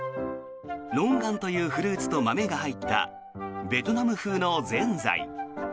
ロンガンというフルーツと豆が入ったベトナム風のぜんざい。